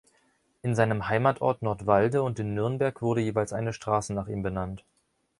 In seinem Heimatort Nordwalde und in Nürnberg wurde jeweils eine Straße nach ihm benannt.